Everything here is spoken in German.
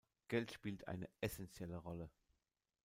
Geld spielt eine essentielle Rolle.